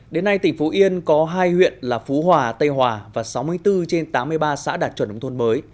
đến nay tỉnh phú yên có hai huyện là phú hòa tây hòa và sáu mươi bốn trên tám mươi ba xã đạt chuẩn nông thôn mới